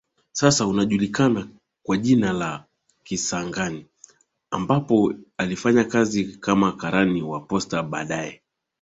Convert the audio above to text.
sasa unajulikana kwa jina la Kisangani ambapo alifanya kazi kama karani wa postaBaadaye